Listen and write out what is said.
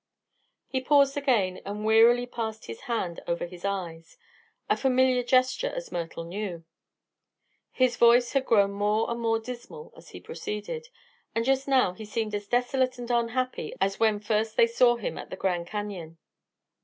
He paused again and wearily passed his hand over his eyes a familiar gesture, as Myrtle knew. His voice had grown more and more dismal as he proceeded, and just now he seemed as desolate and unhappy as when first they saw him at the Grand Canyon.